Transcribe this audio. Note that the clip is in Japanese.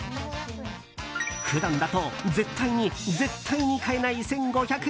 普段だと絶対に絶対に買えない１５００円。